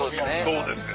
そうですよ。